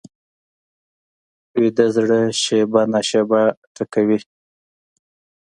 ویده زړه شېبه نا شېبه ټکوي